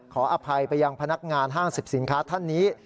ขออภัยไปยังพนักงานห้างสิบสินค้าท่านนี้